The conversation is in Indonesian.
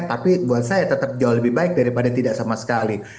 tapi buat saya tetap jauh lebih baik daripada tidak sama sekali